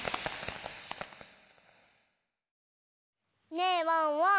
ねえワンワン。